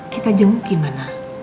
kita jenguk gimana